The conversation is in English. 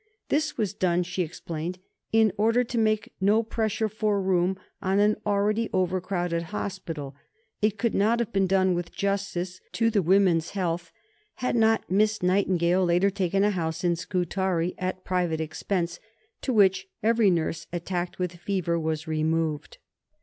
"This was done," she explained, "in order to make no pressure for room on an already overcrowded hospital. It could not have been done with justice to the women's health, had not Miss Nightingale later taken a house in Scutari at private expense, to which every nurse attacked with fever was removed."